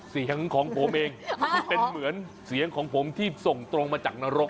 เสียงของผมเองที่เป็นเหมือนเสียงของผมที่ส่งตรงมาจากนรก